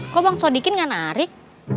kok bang sodikin gak narik